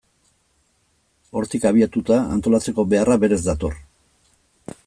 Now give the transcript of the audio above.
Hortik abiatuta, antolatzeko beharra berez dator.